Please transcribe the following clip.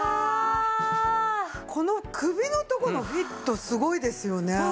この首の所のフィットすごいですよね。